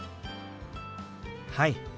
はい。